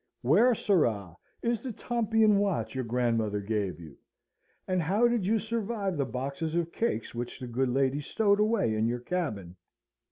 Where, sirrah, is the Tompion watch your grandmother gave you? and how did you survive the boxes of cakes which the good lady stowed away in your cabin?